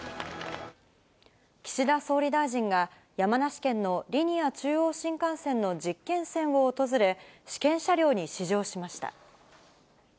岸田総理大臣が、山梨県のリニア中央新幹線の実験線を訪れ、試験車両に試乗しました。